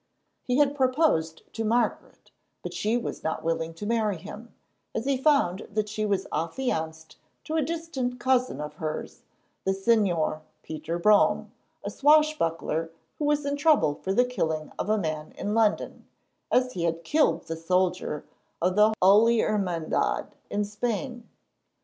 He had proposed to Margaret, but she was not willing to marry him, as he found that she was affianced to a distant cousin of hers, the Señor Peter Brome, a swashbuckler who was in trouble for the killing of a man in London, as he had killed the soldier of the Holy Hermandad in Spain.